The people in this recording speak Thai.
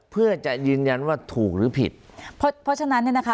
เพื่อจะยืนยันว่าถูกหรือผิดเพราะฉะนั้นเนี่ยนะคะ